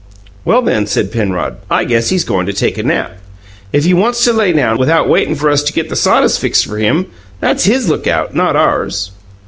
"Well, then," said Penrod, "I guess he's goin' to take a nap. If he wants to lay down without waitin' for us to get the sawdust fixed for him, that's his lookout, not ours."